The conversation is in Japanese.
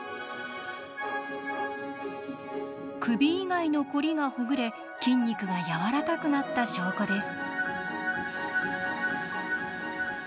首以外のコリがほぐれ筋肉がやわらかくなった証拠です。